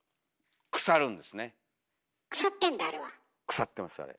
腐ってますあれ。